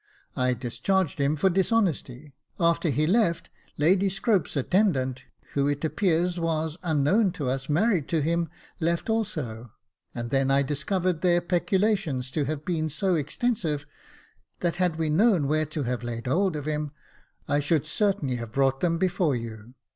I discharged him for dishonesty ; after he left, Lady Scrope's attendant, who it appeared was, unknown to us, married to him, left also, and then I discovered their peculations to have been so extensive that had we known where to have laid hold of him, I should certainly have brought them before you.